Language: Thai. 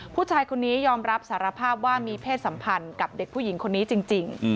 ผู้ชายคนนี้ยอมรับสารภาพว่ามีเพศสัมพันธ์กับเด็กผู้หญิงคนนี้จริง